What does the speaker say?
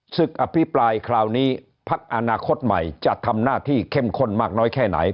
อภิปรายคราวนี้พักอนาคตใหม่จะทำหน้าที่เข้มข้นมากน้อยแค่ไหน